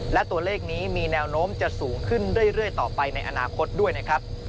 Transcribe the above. และตัวเลขนี้มีแนวโน้มจะสูงขึ้นเรื่อยต่อไปในอนาคตด้วยนะครับ